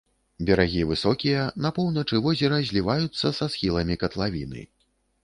Берагі высокія, на поўначы возера зліваюцца са схіламі катлавіны.